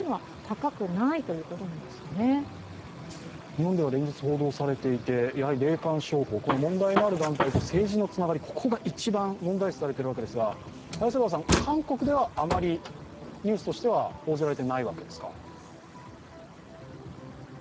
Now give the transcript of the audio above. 日本では連日報道されていて、霊感商法、問題のある団体と政治のつながり、ここが一番問題視されているわけですが、韓国では、あまりニュースとしては報じられていないわけですか。